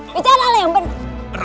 bicara yang benar